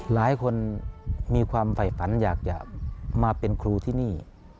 หลายคนมีความไฝฝันอยากจะมาเป็นครูที่นี่